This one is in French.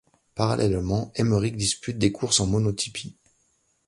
Parallèlement, Émeric dispute des courses en monotypie.